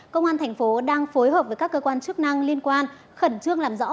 công an tp đang phối hợp với các cơ quan chức năng liên quan khẩn trương làm rõ